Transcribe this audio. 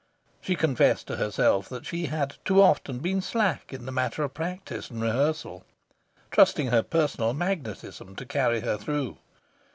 She confessed to herself that she had too often been slack in the matter of practice and rehearsal, trusting her personal magnetism to carry her through.